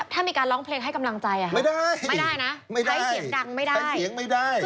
ถ้ามีการร้องเพลงให้กำลังใจไม่ได้นะใช้เสียงดังไม่ได้